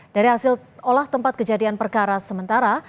dari hasil olah tempat kejadian perkara sementara